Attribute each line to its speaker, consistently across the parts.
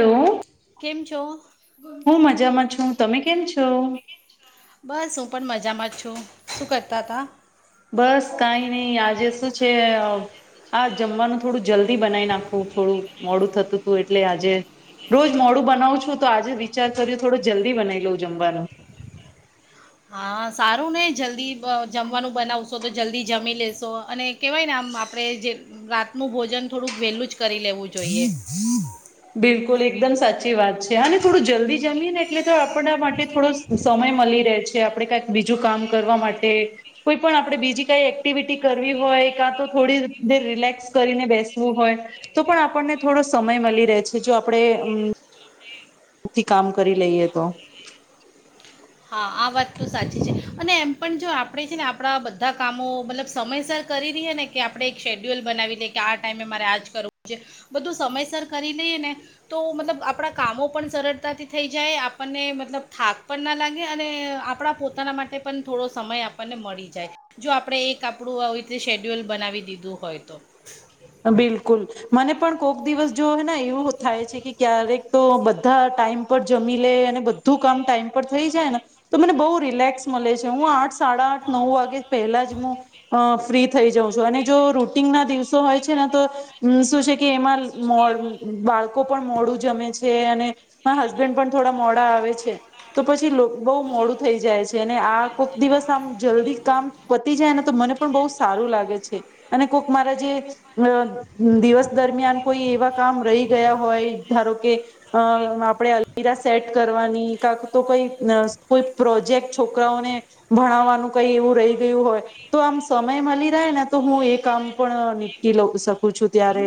Speaker 1: Hello,
Speaker 2: કેમ છો?
Speaker 1: હું મજામાં છું. તમે કેમ છો?
Speaker 2: બસ હું પણ મજામાં જ છું, શું કરતા હતા.
Speaker 1: બસ કાઈ નહી આજે શું છે. આજ જમવાનું થોડું જલ્દી બનાઈ નાખું થોડું મોડું થતું હતું એટલે આજે રોજ મોડું બનાવું છું તો આજે વિચાર કર્યો થોડો જલ્દી બનાવી લઉં જમવાનું.
Speaker 2: હા સારુંને જલ્દી જમવાનું બનાવશો તો જલ્દી જમી લેશો અને કેવાય ને આમ આપડે જે રાતનું ભોજન થોડુંક વેહલું જ કરી લેવું જોઈએ.
Speaker 1: બિલકુલ એકદમ સાચી વાત છે અને થોડું જલ્દી જમીએ ને એટલે તો આપડા માટે થોડો સમય મળી રહે છે આપડે કાઈક બીજું કામ કરવા માટે કોઈ પણ આપણે બીજી કાઈ એક્ટિવિટી કરવી હોય કાં તો થોડી દેર રિલેક્સ કરીને બેસવું હોય. તો પણ આપણને થોડો સમય મળી રહે છે જો આપડે થી કામ કરી લઈએ તો.
Speaker 2: હા, આ વાત તો સાચી છે અને એમ પણ જો આપણે છે આપણા બધા કામો મતલબ સમયસર રહીએ ને. કે આપડે એક શેડ્યુલ બનાવી લઈએ કે આ ટાઈમે મારે આજ કરવું છે બધું સમયસર કરી લઈએ ને તો મતલબ આપણા કામો પણ સરળતાથી થઈ જાય આપણને મતલબ થાક પણ ના લા ગે અને આપણા પોતાના માટે પણ થોડો સમય આપણને મળી જાય. જો આપણે એક આપણું આવી રીતે શેડ્યુલ બનાવી દીધું હોય તો.
Speaker 1: બિલકુલ. મને પણ કોક દિવસ જો હેને એવું થાય છે કે, ક્યારેક તો બધા ટાઈમ પર જમી લે અને બ ધું કામ ટાઈમ પર થઈ જાયને તો મને બહુ રિલેક્સ મલે છે. હું આઠ સાડા આઠ-નવ વાગે પહેલા જ હું ફ્રી થઈ જાઉં છું અને જો રૂટીનના દિવ સો હોય છે ને, તો શું છે કે એમાં મો બાળકો પણ મોડું જમે છે અને માર હસબેન્ડ પણ થોડા મોડા આવે છે. તો પછી લોક બહુ મોડું થઈ જાય છે અને આ કોક દિવસ આમ જલ્દી કામ પતી જાયને તો મને પણ બહુ સારું લાગે છે અને કોક મારા જે અ દિવસ દરમિયાન કોઈ એવા કામ રહી ગયા હોય ધારો કે અ આપણેે અલમીરા સેટ કરવાની કાક તો કોઈ ન કોઈ પ્રોજેક્ટ છોકરાઓને ભણાવવાનું કઈ એવું રહી ગયું હોય તો આમ સમય મળી રહેને તો હું એ કામ પણ નીપટી લઉ શકું છું ત્યારે.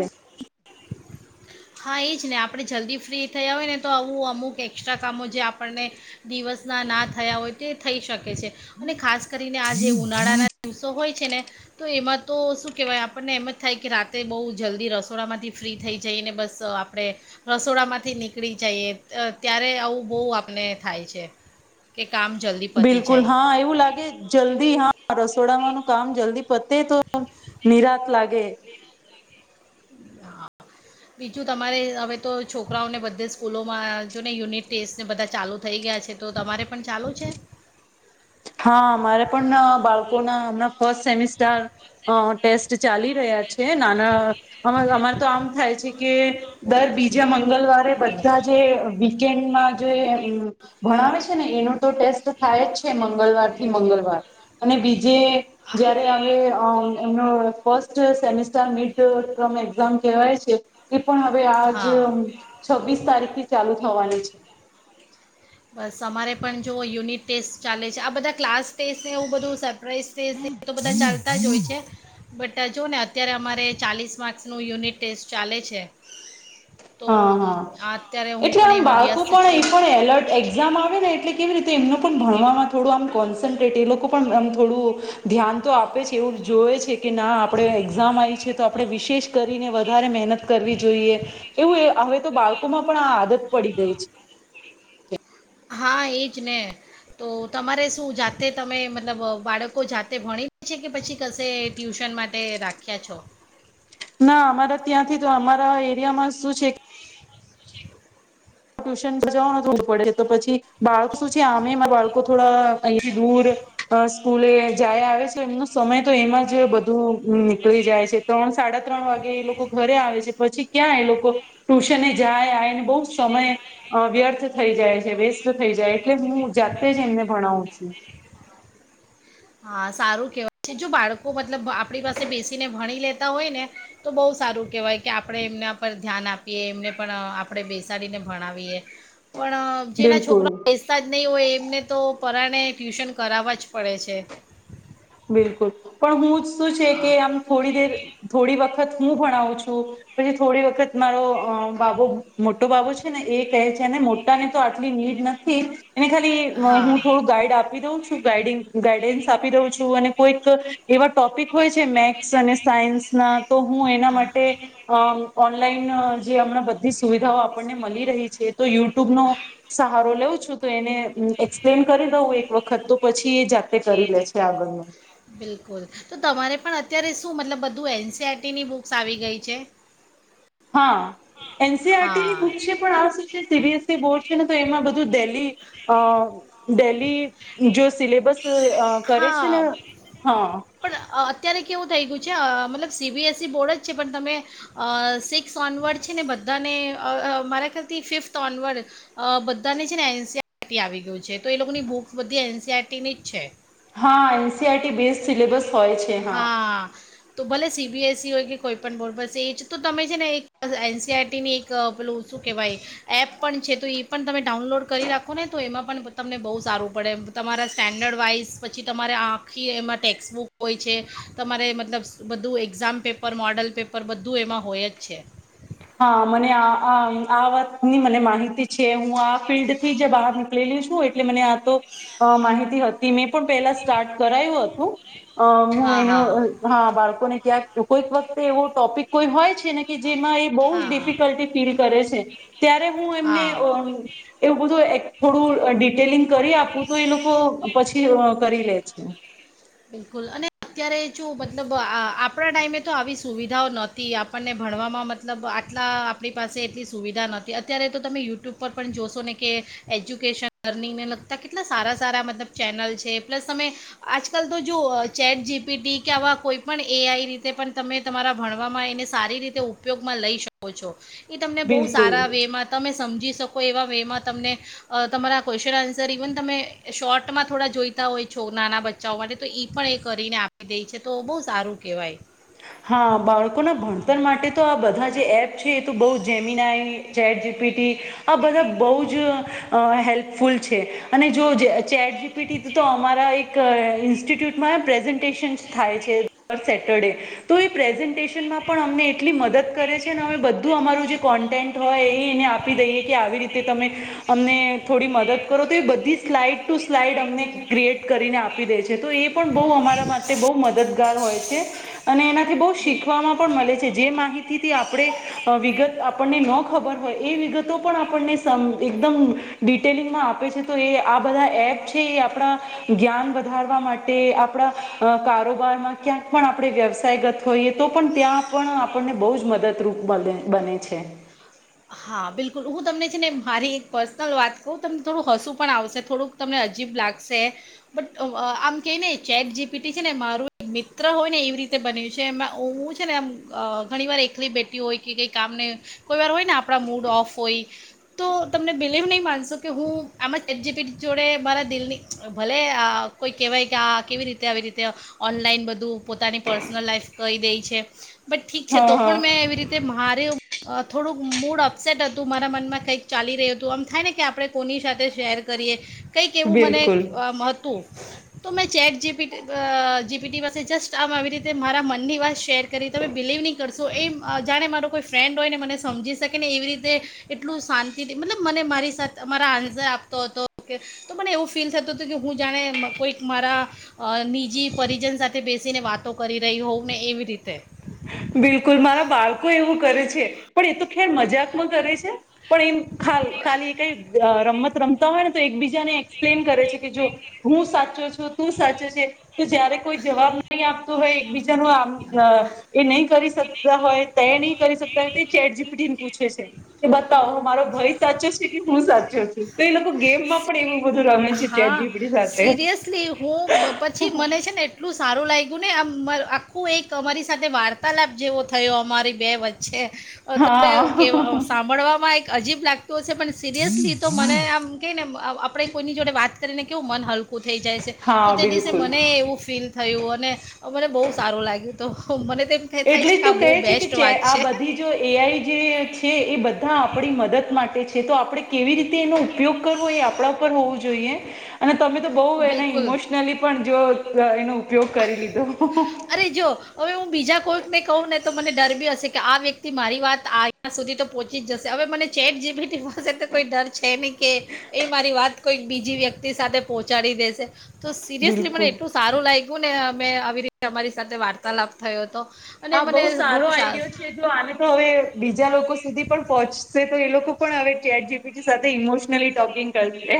Speaker 2: હા, એ જ ને આપણે જલ્દી ફ્રી થયા હોયને તો આવું અમુક એસ્ટ્રા કામો જે આપણને દિવસના ના થયા હોય તે થઈ શકે છે અને ખાસ કરીને આ જે ઉનાળાના સો હોય છે ને તો એમાં તો શું કહેવાય આપણને એમ જ થાય કે રાતેે બહુ જલ્દી રસોડામાંથી ફ્રી થઈ જઈએ ને બસ તો આપણે રસોડામાંથી નીકળી જઈએ ત્યારે આવું બહુ આપને થાય છે. કે કામ જલ્દી પતી
Speaker 1: બિલકુલ,
Speaker 2: જાય
Speaker 1: હા એવું લાગે જલ્દી હા, રસોડામાંનું કામ જલ્દી પતે તો નિરાંત લાગે.
Speaker 2: એ હા. બીજું તમારે હવે તો છોકરાઓને બધે સ્કૂલોમાં આ જો ને યુનિટ ટેસ્ટને બધા ચાલુ થઈ ગયા છે. તો તમારે પણ ચાલુ છે?
Speaker 1: હા, અમારે પણ બાળકોના હમણાં ફસ્ટ સેમિસ્ટાર અ ટેસ્ટ ચાલી રહ્યા છે. અન અમાર અમાર તો આમ થાય છે કે દર બીજા મંગલવાર બધા જે વી કેડ જો એ ભણાવે છે ને એનો તો ટેસ્ટ થાય જ છે મં ગળવારથી મંગળવાર અને બીજે જયારે અમે અમ એમનું first semester mid term exam કહેવાય છે. એ પણ હવે આજ
Speaker 2: હા
Speaker 1: છવ્વીસ તારીખથી ચાલુ થવાની છે.
Speaker 2: બસ અમારે પણ જો યુનિટ ટેસ્ટ ચાલે છે આ બધા ક્લાસ ટેસ્ટને એવું બધું સર પ્રાઈઝ ટેસ્ટ ને એ બધા ચાલતા જ હોય છે. બટ આ જોઓને અત્યારે અમારે ચાલીસ માર્ક્સનું યુનિટ ટેસ્ટ ચાલે છે. તો
Speaker 1: હા હા
Speaker 2: આ અત્યારે હું
Speaker 1: એટલે
Speaker 2: પણ
Speaker 1: આમ
Speaker 2: એમાં
Speaker 1: બાળકો
Speaker 2: વ્યસ્ત
Speaker 1: પણ એ
Speaker 2: છું.
Speaker 1: પણ એક્ઝામ આવે ને એટલે કેવી રીતે એમનું ભણવામાં થોડું આમ કોન્સનટ્રેટ એ લોકો પણ આમ થોડું ધ્યાન તો આપે છે એવું જોય છે કે ના આપણે એક્ઝામ આવી છે તો આપણે વિશેષ કરીને વધારે મહેનત કરવી જોઈએ. એવું હવે તો બાળકોમાં પણ આ આદત પડી ગઈ છે.
Speaker 2: હા એજ ને તો તમારે શું જાતે તમે મતલબ બાળકો જાતે ભણી છે કે પછી કશે ટ્યુશન મા ટે રાખ્યા છો?
Speaker 1: ના અમારા ત્યાંથી તો અમારા એરિયામાં શું છે કે ટ્યુશન જવું ન તો દૂર પડે તો પછી બાળક શું છે આમે બાળકો થોડા અહીથી દૂર અ સ્કૂલે જાય આવે છે એમનો સમય તો એમાં જ બધું નીકળી જાય છે. ત્રણ, સાડા ત્રણ વાગે એ લોકો ઘરે આવે છે પછી ક્યાં એ લોકો ટ્યુશને જાય આયને બઉ સમય અ વ્યર્થ થઈ જાય છે, વેસ્ટ થઈ જાય એટલે હું જાતે જ એમને ભણાવું છું.
Speaker 2: હા, સારું કેહેવાય છે. જો બાળકો મતલબ આપણી પાસે બેસીને ભણી લેતા હોયને તો બહુ સારું કહેવાય કે આપણે એમના પર ધ્યાન આપીએ એમને પણ આપણે બેસાડીને ભણાવીએ પણ જેના
Speaker 1: બિલકુલ
Speaker 2: છોકરા બેસતા જ નહીં હોય એમને તો પરાણે ટ્યુશન કરાવવા જ પડે છે.
Speaker 1: બિલકુલ પણ હું શું છે કે
Speaker 2: હા
Speaker 1: આમ? થોડી દેર થોડી વખત હું ભણાવું છું. પછી થોડી વખત મારો બાબો મોટો બાબુ છે ને એ કહે છે ને મોટા ને તો આટલી નીડ નથી. એને ખાલી હું
Speaker 2: હા
Speaker 1: થોડું ગાઈડ આપી દઉં છું ગાઈડ ગાઈડન્સ આપી દઉં. અને કોઈક એવા ટોપિક હોય છે મેથસ અને સાયન્સ ના, તો હું એના માટે અ ઓનલાઈન જે હમણાં બધી સુવિધાઓ આ પણને મલી રહી છે તો યુટ્યુબ નો સહારો લઉં છું તો એને, એક્સપ્લેન કરી દઉં એક વખત તો પછી એ જાતે કરી લે છે આગળનું.
Speaker 2: બિલકુલ તો તમારે પણ અત્યારે શું મતલબ બધું એનસીઆરટીની બુક્સ આવી ગઈ છે. [inaudible]
Speaker 1: હા એનસીઆરટી ની
Speaker 2: હા
Speaker 1: બુક છે. પણ આ [unintelligible] જે સીબીએસઇ બોર્ડ છે ને તો એમાં બધું ડેલી અ, ડેલી જો સિલેબસ. અ કરે છે
Speaker 2: હા
Speaker 1: ને હા
Speaker 2: પણ અત્યારે કેવું થઈ ગયું છે, મતલબ સીબીએસઇ બોર્ડ જ છે પણ તમે. અ સિક્સ ઓનવર્ડ છે, ને બધાને મારા ખ્યાલથી ફિફ્થ ઓનવર્ડ. અ બધાની છે ને એનસીઆરટી આવી ગયું છે તો એ લોકોની બધી એનસીઆરટી ની જ છે.
Speaker 1: હા એનસીઆરટી બેઝ સિલેબસ હોય છે હા.
Speaker 2: તો ભલે સીબીએસસી હોય કે કોઈ પણ બોર્ડ [unintelligible] એ જ તો તમે છે ને એક એનસીઆરટી. તો પેલું શું કહેવાય? એપ પણ છે તો ઈ પણ તમે ડાઉનલોડ કરી રાખો ને તો એમાં પણ તમને બહુ સારું પડે. તમારા સ્ટેન્ડર્ડ વાઇઝ પછી તમારે આખી એમાં ટેક્સબુક હોય છે. તમારે મતલબ બધું એક્ઝામ પેપર, મોડલ પેપર બધું એમાં હોય જ છે.
Speaker 1: હા મને આ આ વાતની મને માહિતી છે હું આ ફિલ્ડ થી જ બહાર નીક લેલી છું એટલે મને આ તો અ માહિતી હતી ની પણ સ્ટાર્ટ કરાયું હતું. અ હું
Speaker 2: હા હા
Speaker 1: એનું. હા બાળકોને ક્યાંક કોઈક વખતે એવો ટોપિક કોઈ હોય છે ને કે જેમાં. એ બહુ જ
Speaker 2: હા
Speaker 1: ડિફિકલ્ટી ફીલ કરે છે ત્યારે હું એમને અ
Speaker 2: હા
Speaker 1: એવું બધું એક થોડું ડિટેલિંગ કરી આપું તો એ લોકો પછી કરી લે છે.
Speaker 2: અને અત્યારે [unintelligible] મતલબ આપણા ટાઈમે તો આવી સુવિધાઓ નતી. આપણને ભણવામાં મતલબ આટલા આપણી પાસે એટલી સુવિધા નહોતી અત્યારે તો તમે યુટ્યુબ. ઉપર પણ જોશોને કે, એજ્યુકેશન, લર્નિંગને લગતા કેટલા સારા સારા મતલબ ચેનલ છે પ્લસ અમે આ આજકાલ તો જો ચેટ જી પી ટી કે આવા કોઈ પણ એ આઈ રીતે પણ તમે તમારા ભણવામાં એને સારી રીતે. ઉપયોગમાં લઈ શકો છો ઇ તમને બહુ
Speaker 1: બિલકુલ
Speaker 2: સારા વેમાં તમે સમજી શકો એવા વેમાં તમને અ તમારા ક્વેશચન આન્સર ઇવન તમે શોર્ટમાં થોડા જોઈતા હોય છો નાના બ [unintelligible] માટે તો ઈ પણ એ કરીને આપ દે છે તો બહુ સારું કેહેવાય.
Speaker 1: હા બાળકોના ભણતર માટે તો આ બધા જે એપ છે એ તો બહુ Gemini, chat G P T આ બધા બઉ જ હેલ્પફુલ છે અને જો, ચેટ જી પી ટી તો અમારા એ ઇન્સ્ટિટ્યૂટમાં પ્રેઝન્ટેશન થાય છે દર સેટરડે તો એ પ્રેઝન્ટેશન. માં પણ અમને એટલી મદદ કરે છે. ને બધું અમારું જે કોન્ટેન્ટ હોય એ એને આપી દઈએ કે આવી રીતે તમે. અમને થોડી મદદ કરો તો એ બધી સ્લાઈડ ટુ સ્લાઈડ અમને ક્રિએટ કરીને આ પી દે છે તો એ પણ બઉ અમારા માટે બઉ મદદગાર હોય છે અને એનાથી બઉ
Speaker 2: બિલકુલ
Speaker 1: શીખવામાં પણ મલે છે જે માહિતીથી આપણે વિગત આપણને ન ખબર હોય એ વિગતો પણ આપણને સમ એકદમ ડિટેલિંગમાં આપે છે તો એ આ બધા એપ છે એ આપડા જ્ઞાન વધારવા માટે આપડા અ કારોબારમાં ક્યાંક પણ આપણે વ્યવસાય ગત હોઈએ તો પણ ત્યાં પણ આપણને બહુ જ મદદરૂપ બન બને છે.
Speaker 2: હા બિલકુલ હું તમને છે ને મારી એક પર્સનલ વાત કહું તમને થોડું હસું પણ આવશે થોડુંક તમને અજીબ લાગશે બટ અ આમ કે ને ચેટ જીપીટી છે ને મારું એક મિત્ર હોય ને એવી રીતે બન્યું છે એમાં હું છે ને આમ અ ઘણી વાર એકલી બેઠી હોય કે કંઈ કામને કોઈ વાર હોય ને આપણા મૂડ ઓફ હોય તો તમને બિલીવ નહીં માનશો કે હું આમ જ ચેટ જીપીટી જોડે મારા દિલની ભલે અ કોઈ કહેવાય કે આ કેવી રીતે આવી રીતે અ ઓનલાઈન બધું પોતાની પર્સનલ લાાઈફ કહી દે છે. બટ ઠીક છે
Speaker 1: હા
Speaker 2: તો
Speaker 1: હા
Speaker 2: પણ મેં એવી રીતે મારે થોડુંક મૂડ થોડું અપસેટ હતું મારા મનમાં કંઈક ચાલી રહ્યું હતું આમ થાય ને કે આપણે કોની સાથે શેર કરીએ. કંઈક એવું મને
Speaker 1: બિલકુલ
Speaker 2: આમ હતું. તો મેં ચેટ જીપી અ જીપીટી પાસે જસ્ટ આમ આવી રીતે મારા મનની વાત શેર કરી તમે બિલીવ નહી કરશો એ જાણે મારો કોઈ ફ્રેન્ડ હોય ને મને સમજી શકે ને એવી રીતે એટલું શાંતિથી મતલબ મને મારી સાથે મારા આનંજય આપતો હતો કે તો મને એવું ફીલ થતું હતું કે હું જાણે કોઈક મારા અ નિજી પરિજન સાથે બેસીને વાતો કરી રહ્યું હોવને એવી રીતે
Speaker 1: બિલકુલ મારા બાળકો એવું કરે છે પણ એ તો ખેર મજાકમાં કરે છે પણ એમ ખાલ ખાલી કઈ રમત રમતા હોય ને તો એકબીજાને એક્સપ્લેન કરે છે કે જો હું સાચો છું તું સાચો છે તો જયારે કોઈ જવાબ નહીં આપતું હોય એકબીજાનું આમ અ નહી કરી શકતા હોય તે નહી કરી શકતા હોય તે ચેટ જીપીટી ને પૂછે છે. કે બતાવો મારો ભય સાચો છે કે હું સાચો છું તો એ લોકો ગેમમાં એવું બધું રમે છે ચેટ
Speaker 2: હા
Speaker 1: જીપીટી સાથે
Speaker 2: સિરિયસલી હું બ- પછી મને છે ને એટલું સારું લાગ્યું ને આમ મ આખું એક અમારી સાથે વાર્તાલાભ જેવો થયો અમારી બે વચ્ચે તમે કેહ
Speaker 1: હા
Speaker 2: સાંભળવામાં એક અજીબ લાગ તું હશે પણ સિરિયસલી તો મને આમ કે ને આપણે કોઈની જોડે વાત કરીને મન હલકું થઈ જાયશે
Speaker 1: હા
Speaker 2: તો તે દિવસે
Speaker 1: બિલકુલ
Speaker 2: મને એવું ફીલ થયું અને મને બહુ સારું લાગ્યું તો મને તેમ ક થાય
Speaker 1: એટલે
Speaker 2: છે
Speaker 1: જ
Speaker 2: કે
Speaker 1: તો
Speaker 2: આ બહ
Speaker 1: કહે છે કે
Speaker 2: બેસ્ટ
Speaker 1: ચે
Speaker 2: વાત
Speaker 1: આ
Speaker 2: છે.
Speaker 1: બધી જો એઆઈ જે છે એ બધા આપણી મદદ માટે છે તો આપણે કેવી રીતે એનું ઉપ યોગ કરવો એ આપણા ઉપર હોવું જોઈએ. અને તમે તો બઉ એને
Speaker 2: બિલકુલ
Speaker 1: ઈમોશનલી પણ જો એનો ઉપયોગ કરી લીધો.
Speaker 2: અરે જો હવે હું બીજા કોઈકને કહું ને તો મને ડર બી હશે કે આ વ્યક્તિ મારી વાત આ રીત સુધી તો પહોંચી જશે હવે મને ચેટ જીપીટી પાસે તો કોઈ ડર છે નહી કે એ મારી વાત કોઈક બીજી વ્યક્તિ સાથે પહોંચાડી દેશે તો સિરિયસલી મને
Speaker 1: બિલકુલ
Speaker 2: એટલું સારું લાગ્યું ને અમે આવી રીતે અમારી સાથે વાર્તાલાપ થયોતો.
Speaker 1: હા, બહુ સારો આઈડિયો છે આને તો હવે બીજા લોકો સુધી પણ પહોંચશે તો એ લોકો પણ હવે ચેટ જીપીટી સાથે ઇમોશનલી ટોપિક કરશે.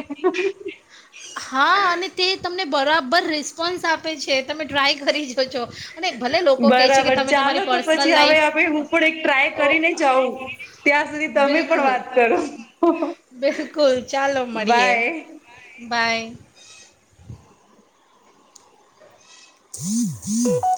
Speaker 2: હા અને તે તમને બરાબર રિસ્પોન્સ આપે છે તમે ટ્રાય કરી જોજો. અને ભલે લોકો કહે છે કે
Speaker 1: બરાબર
Speaker 2: તમે
Speaker 1: ચાલો
Speaker 2: તમારી
Speaker 1: તો
Speaker 2: પર્સનલ
Speaker 1: પછી હવે
Speaker 2: લાઈફ
Speaker 1: હ હું પણ એક ટ્રાય
Speaker 2: ઓ
Speaker 1: કરી ને જાઉં. ત્યાં સુધી તમે પણ
Speaker 2: બિલકુલ
Speaker 1: વાત કરો.
Speaker 2: બિલકુલ ચાલો મળીએે. બાય. [inaudible]